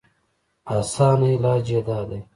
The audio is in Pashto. اسان علاج ئې دا دی